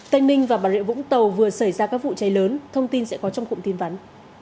tây ninh và bà rịa vũng tàu vừa xảy ra các vụ cháy lớn thông tin sẽ có trong cụm tin vắn